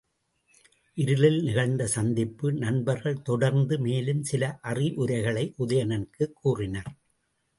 இருளில் நிகழ்ந்த சந்திப்பு நண்பர்கள் தொடர்ந்து மேலும் சில அறிவுரைகளை உதயணனுக்குக் கூறினர்.